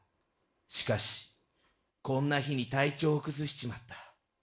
しかし、こんな日に体調を崩しちまった。